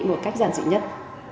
một cách giản dị nhất